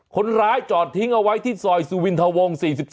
คนร้ายจอดทิ้งเอาไว้ที่ซอยสุวินทวง๔๒